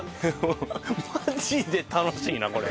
マジで楽しいなこれ。